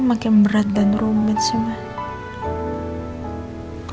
makin berat dan rumit sih mbak